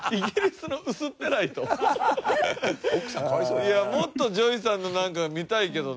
いやもっとＪＯＹさんのなんか見たいけどな。